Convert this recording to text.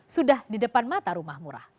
sudah di depan mata rumah murah